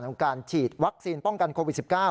ของการฉีดวัคซีนป้องกันโควิด๑๙